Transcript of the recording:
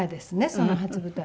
その初舞台。